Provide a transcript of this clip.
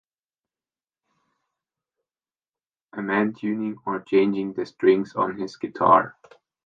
A man tuning or changing the strings on his guitar.